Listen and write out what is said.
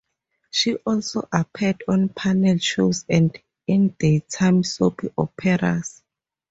She also appeared on panel shows and in daytime soap operas.